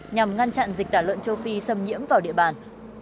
nhằm ngăn chặn dịch tả lợn châu phi xâm nhiễm vào địa bàn